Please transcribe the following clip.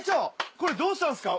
これどうしたんですか？